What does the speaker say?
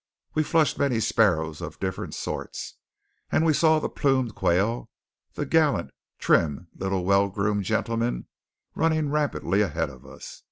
We flushed many sparrows of different sorts; and we saw the plumed quail, the gallant, trim, little, well groomed gentlemen, running rapidly ahead of us.